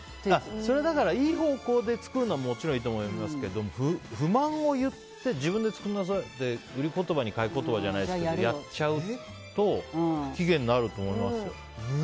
それはいい方向で作るのはもちろんいいと思いますけど不満を言って自分で作りなさいって売り言葉に買い言葉じゃないですけどやっちゃうと不機嫌になると思いますよ。